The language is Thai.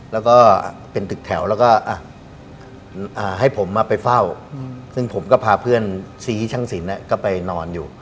แล้วก็เป็นตึกแถวแล้วก็ให้ผมมาไปเฝ้าซึ่งผมก็พาเพื่อนซีช่างสินก็ไปนอนอยู่